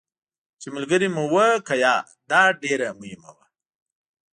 چې ملګري مو وو که یا، دا ډېره مهمه وه.